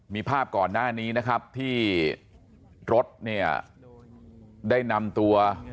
มีภาพก่อนหน้านี้นะครับที่รถเนี่ยได้นำตัว